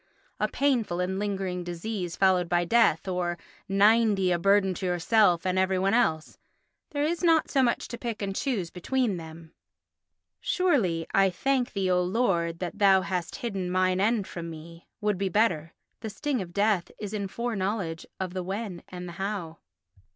"A painful and lingering disease followed by death" or "Ninety, a burden to yourself and every one else"—there is not so much to pick and choose between them. Surely, "I thank thee, O Lord, that thou hast hidden mine end from me" would be better. The sting of death is in foreknowledge of the when and the how.